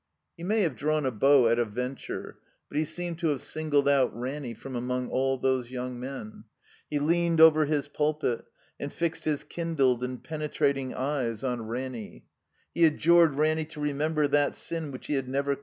He may have drawn a bow at a venture, but he seemed to have singled out Ranny from among all those young men. He leaned over his pulpit, and fixed his kindled and penetrating eyes on Ranny. 8 107 THE COMBINED MAZE He adjured Raony to remember that Sin which he had never.